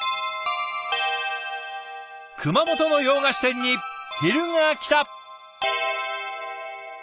熊本の洋菓子店に昼がきた。